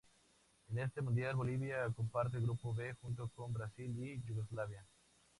En este mundial Bolivia comparte grupo B junto con Brasil y Yugoslavia.